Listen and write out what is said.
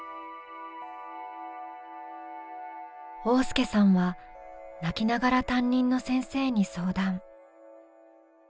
旺亮さんは泣きながら担任の先生に相談。